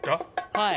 はい。